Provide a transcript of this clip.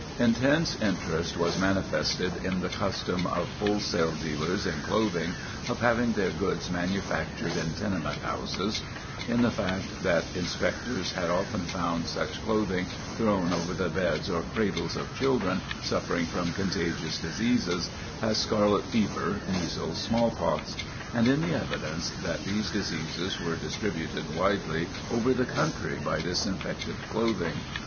Intense interest was manifested in the custom of wholesale dealers in clothing of having their goods manufactured in tenement houses; in the fact that Inspectors had often found such clothing thrown over the beds or cradles of children suffering from contagious diseases, as scarlet fever, measles, smallpox; and in the evidence that these diseases were distributed widely over the country by this infected clothing.